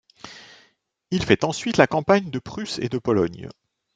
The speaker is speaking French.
Il fait ensuite la campagne de Prusse et de Pologne.